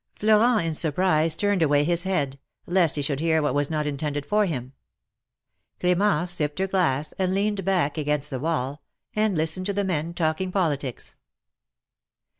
Florent in surprise turned away his head, lest he should hear what was not intended for him. Cl^mence sipped her glass and leaned back against the wall, and listened to the men talking politics.